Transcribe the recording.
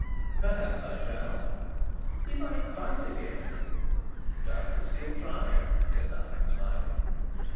"Perhaps I shall." "He might bite again." "Doubtless he'll try," said I, smiling.